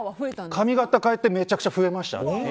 髪形変えてめちゃくちゃ増えました。